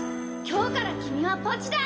今日から君はポチだ！